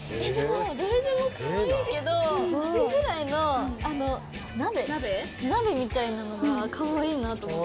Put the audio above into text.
どれでもかわいいけどアジフライの鍋みたいなのがかわいいなと思って。